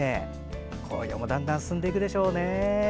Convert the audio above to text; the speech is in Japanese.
紅葉もだんだん進んでいくでしょうね。